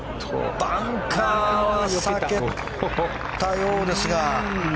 バンカーは避けたようですが。